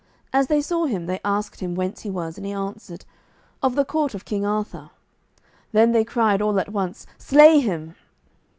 As they saw him they asked him whence he was, and he answered, "Of the court of King Arthur." Then they cried all at once, "Slay him."